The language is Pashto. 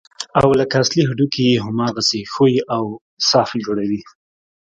او لکه اصلي هډوکي يې هماغسې ښوى او صاف جوړوي.